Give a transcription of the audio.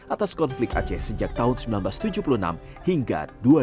atas konflik aceh sejak tahun seribu sembilan ratus tujuh puluh enam hingga dua ribu dua